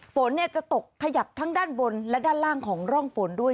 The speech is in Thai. ฝนจะตกขยับทั้งด้านบนและด้านล่างของร่องฝนด้วย